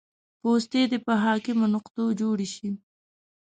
پوستې دې په حاکمو نقطو جوړې شي